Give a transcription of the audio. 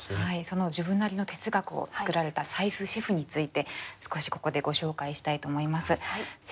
その自分なりの哲学を作られた斉須シェフについて少しここでご紹介したいと思います。